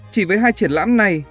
chỉ với hai triển lãm này